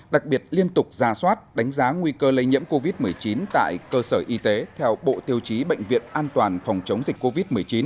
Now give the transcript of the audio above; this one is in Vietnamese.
đặc biệt liên tục ra soát đánh giá nguy cơ lây nhiễm covid một mươi chín tại cơ sở y tế theo bộ tiêu chí bệnh viện an toàn phòng chống dịch covid một mươi chín